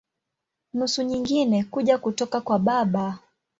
Nusu nyingine kuja kutoka kwa baba.